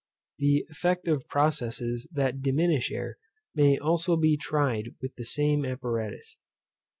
The effect of processes that diminish air may also be tried by the same apparatus.